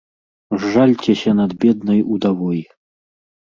Зжальцеся над беднай удавой!